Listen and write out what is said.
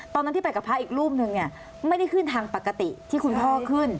ตอนนั้นที่ไปกับพระอีกรูปนึงเนี่ยไม่ได้ขึ้นทางปกติที่คุณพ่อขึ้น